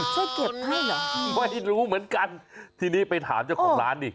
ช่วยเก็บให้เหรอไม่รู้เหมือนกันทีนี้ไปถามเจ้าของร้านดิ